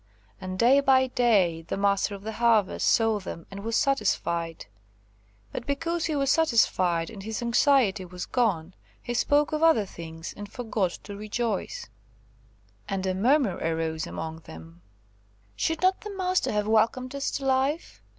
And day by day the Master of the Harvest saw them and was satisfied; but because he was satisfied, and his anxiety was gone, he spoke of other things, and forgot to rejoice. And a murmur arose among them,–"Should not the Master have welcomed us to life?